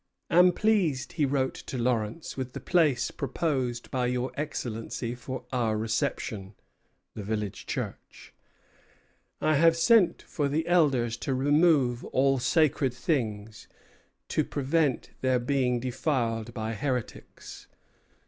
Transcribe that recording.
"Am pleased," he wrote to Lawrence, "with the place proposed by your Excellency for our reception [the village church]. I have sent for the elders to remove all sacred things, to prevent their being defiled by heretics."